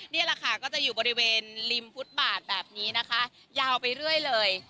นี่แหละค่ะก็จะอยู่บริเวณริมฟุตบาทแบบนี้นะคะยาวไปเรื่อยเลย